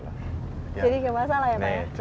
jadi gimana salah ya pak ya